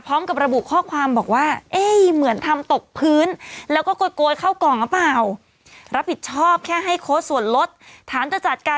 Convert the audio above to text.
พร้อมกับระบุข้อความบอกว่าเอ๊ะเหมือนทำตกพื้นแล้วก็โกยเข้ากล่องหรือเปล่า